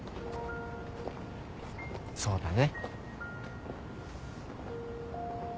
そうだね。